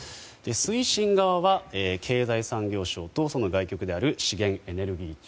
推進側は経済産業省とその外局である資源エネルギー庁。